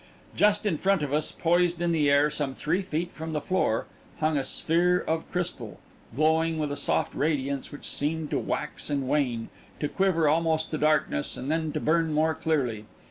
Just in front of us, poised in the air some three feet from the floor, hung a sphere of crystal, glowing with a soft radiance which seemed to wax and wane, to quiver almost to darkness and then to burn more clearly.